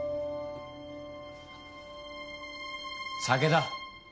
酒だ。